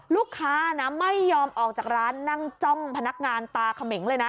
ลูกค้านะไม่ยอมออกจากร้านนั่งจ้องพนักงานตาเขมงเลยนะ